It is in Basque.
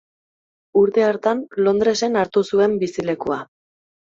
Urte hartan Londresen hartu zuen bizilekua.